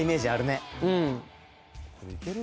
「いける？